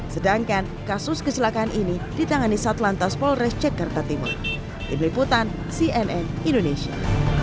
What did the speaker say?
sedangkan kasus kecelakaan ini ditangani satlantas polres cekarta timur tim liputan cnn indonesia